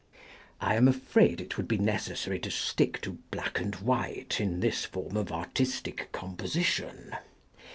I am afraid itwould be neces sary to stick to black and white in this form of artistic composition.